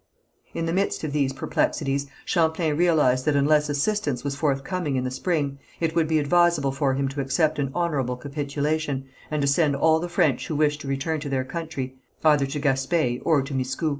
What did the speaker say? In the midst of these perplexities Champlain realized that unless assistance was forthcoming in the spring, it would be advisable for him to accept an honourable capitulation, and to send all the French who wished to return to their country, either to Gaspé or to Miscou.